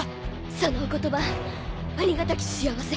そのお言葉ありがたき幸せ。